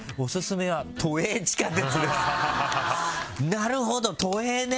なるほど都営ね。